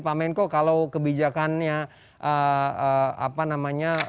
pak menko kalau kebijakannya apa namanya